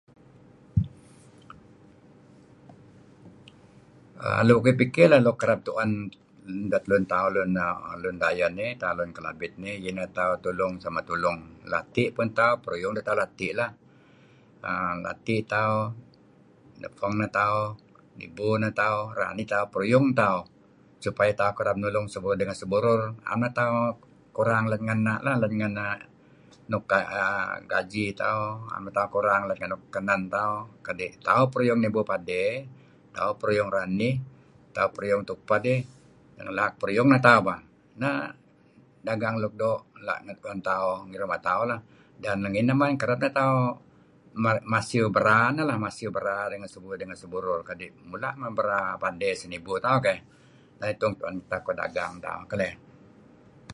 Luk uih fikir luk kereb tu'en arih lun tauh lun dayeh nih lun Kelabit nih kereb tauh tulung sama tulung. Lati' peh tauh peruyung teh tauh lati' lah err lati' tauh, nebpeng neh tauh, nibu neh tauh, ranih neh tauh, peruyung tauh supaya tauh kereb nulung seburur ngen seburur, 'am neh tauh kurang let ngen na' lah, let ngen err gaji tauh , am teh tauh kurang let ngen nuk kenen tauh kadi' tauh peruyung nibu padey, tauh peruyung ranih, tauh peruyung tupeh dih ngelaak peruyung neh tauh bah. Neh dagang luk doo' la' tu'en tauh ngi ruma' tauh, kereb neh tauh masiew bera neh lah masiew seh burur ngen sehburur mula' men bera padey seniiibu tauh keh. Neh iten tauh pedagang keleh.